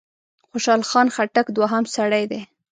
خوشحال خان خټک دوهم سړی دی.